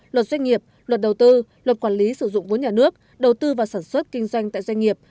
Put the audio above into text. luật doanh nghiệp luật đầu tư luật quản lý sử dụng vốn nhà nước đầu tư và sản xuất kinh doanh tại doanh nghiệp